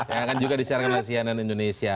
yang akan juga disiarkan oleh cnn indonesia